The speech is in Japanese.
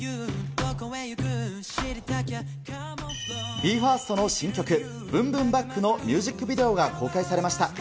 ＢＥ：ＦＩＲＳＴの新曲、ブンブンバックのミュージックビデオが公開されました。